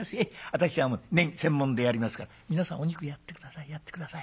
私はネギ専門でやりますから皆さんお肉やって下さいやって下さい」。